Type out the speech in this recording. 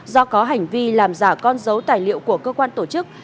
do có hành vi làm giả con dấu tài liệu của cơ quan tổ chức